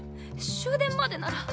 終電までなら。